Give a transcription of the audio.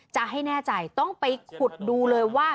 จะให้แน่ใจต้องไปขุดดูเลยว่า